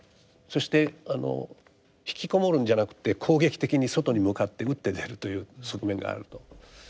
そしてあのひきこもるんじゃなくて攻撃的に外に向かって打って出るという側面があると。